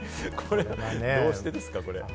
どうしてですか？